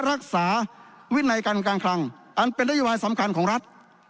รักษาวินัยการการคลังอันเป็นนโยบายสำคัญของรัฐ